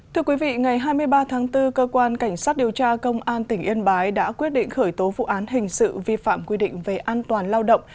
thưa quý vị ngày hai mươi ba tháng bốn cơ quan cảnh sát điều tra công an tỉnh yên bái đã quyết định khởi tố vụ án hình sự vi phạm quy định về an toàn lao động